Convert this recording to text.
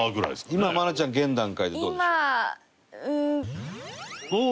今愛菜ちゃん現段階でどうでしょう？